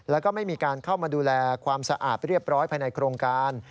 แล้วก็ไม่มีการเข้ามาดูแลความสะอาดเรียบร้อยภายในโครงการ